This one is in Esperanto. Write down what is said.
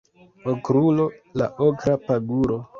Okrulo la okra paguro